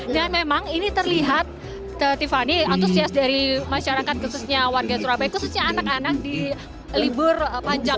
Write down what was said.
dan memang ini terlihat tiffany antusias dari masyarakat khususnya warga surabaya khususnya anak anak di libur panjang ini